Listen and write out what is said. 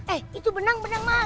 hey itu benang benang mah